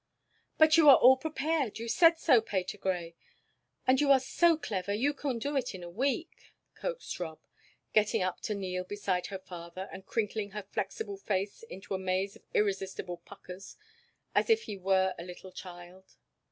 "But you are all prepared you said so, Patergrey and you are so clever you can do it in a week," coaxed Rob, getting up to kneel beside her father, and crinkling her flexible face into a maze of irresistible puckers, as if he were a little child.